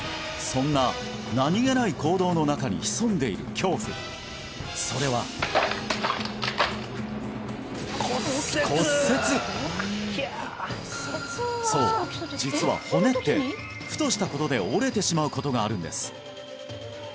そんな何げない行動の中に潜んでいる恐怖それはそう実は骨ってふとした事で折れてしまうことがあるんです